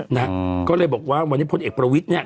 นะก็เลยบอกว่าวันนี้พลเอกประวิทย์เนี่ย